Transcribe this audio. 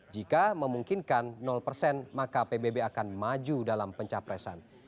jika memungkinkan persen maka pbb akan maju dalam pencapresan